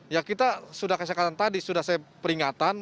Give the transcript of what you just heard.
ya kita sudah kesekatan tadi sudah saya peringatan